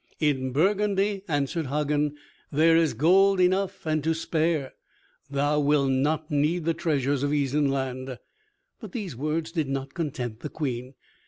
"In Burgundy," answered Hagen, "there is gold enough and to spare. Thou wilt not need the treasures of Isenland." But these words did not content the Queen.